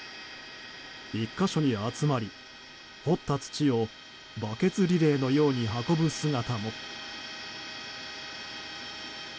１か所に集まり、掘った土をバケツリレーのように運ぶ姿も。